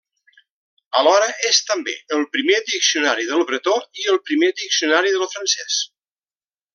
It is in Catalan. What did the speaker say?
Alhora és també el primer diccionari del bretó i el primer diccionari del francès.